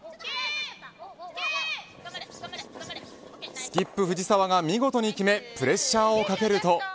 スキップ藤澤が見事に決めプレッシャーをかけると。